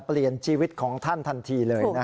เปลี่ยนชีวิตของท่านทันทีเลย